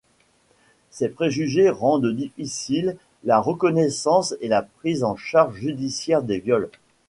Ces préjugés rendent difficile la reconnaissance et la prise en charge judiciaire des viols.